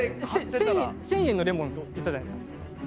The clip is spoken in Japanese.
１，０００円のレモンと言ったじゃないですか。